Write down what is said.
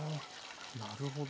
なるほど。